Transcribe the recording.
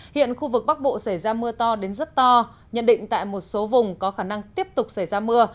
hiện khu vực bắc bộ xảy ra mưa to đến rất to nhận định tại một số vùng có khả năng tiếp tục xảy ra mưa